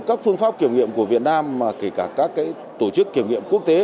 các phương pháp kiểm nghiệm của việt nam mà kể cả các tổ chức kiểm nghiệm quốc tế